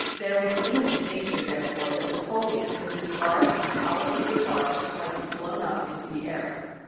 There was imminent danger, therefore, that Napoleon with his guard, and the palace of the czars, might be blown up into the air.